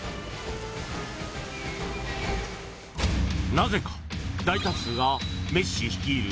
なぜか大多数がメッシ率いる